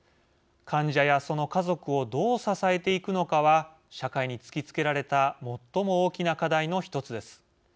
患者や、その家族をどう支えていくのかは社会に突きつけられた最も大きな課題の１つです。